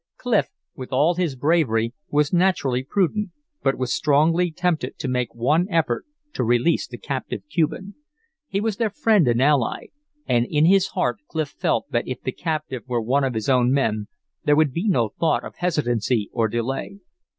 Clif, with all his bravery, was naturally prudent, but was strongly tempted to make one effort to release the captive Cuban. He was their friend and ally, and in his heart Clif felt that if the captive were one of his own men, there would be no thought of hesitancy or delay.